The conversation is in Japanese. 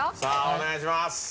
お願いします！